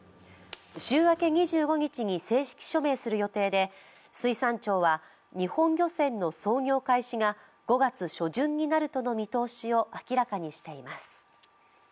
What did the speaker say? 週明け２５日に正式署名する予定で水産庁は日本漁船の操業開始が５月初旬になるとの見通しを明らかにしています。